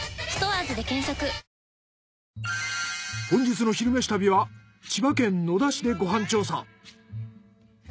本日の「昼めし旅」は千葉県野田市でご飯調査。